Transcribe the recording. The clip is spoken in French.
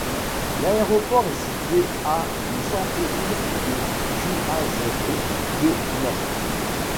L'aéroport est situé à du centre-ville de Juazeiro do Norte.